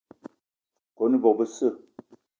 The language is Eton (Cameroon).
Kone bo besse